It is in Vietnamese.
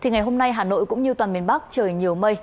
ngày hôm nay hà nội cũng như toàn miền bắc trời nhiều mây